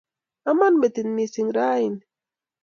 Amon metit missing' raini